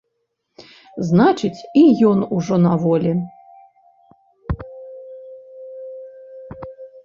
Значыць, і ён ужо на волі.